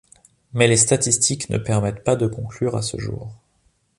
Mais les statistiques ne permettent pas de conclure à ce jour.